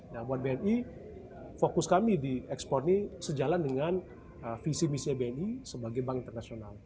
nah buat bni fokus kami di ekspor ini sejalan dengan visi misi bni sebagai bank internasional